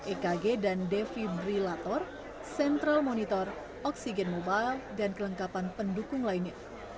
ekg dan defibrilator sentral monitor oksigen mobile dan kelengkapan pendukung lainnya